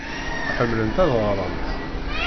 Ḥemmlent ad ɣrent.